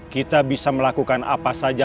kita bisa melakukan apa saja